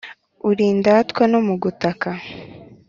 uri indatwa no mu gutaka